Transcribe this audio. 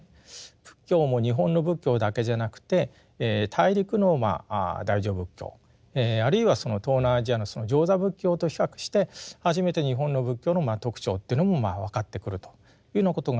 仏教も日本の仏教だけじゃなくて大陸の大乗仏教あるいは東南アジアの上座部仏教と比較して初めて日本の仏教の特徴というのも分かってくるというようなことがありまして。